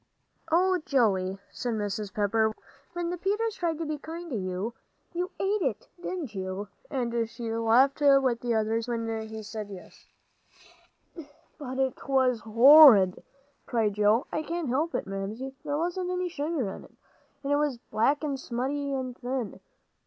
"Oh, Joey," said Mrs. Pepper, "when Mrs. Peters tried to be kind to you. You ate it, didn't you?" and she laughed with the others when he said yes. "But 'twas horrid," cried Joe. "I can't help it, Mamsie. There wasn't any sugar in it, and it was black and smutty and thin.